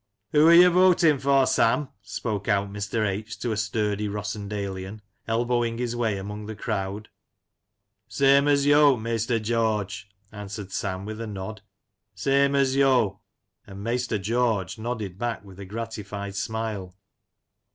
"Who are you voting for, Sam?" spoke out Mr. H. to a sturdy Rossendalean, elbowing his way among the crowd. " Same as yo', maister George,*' answered Sam with a nod, " Same as yoV* and " maister George " nodded back with a gratified smile.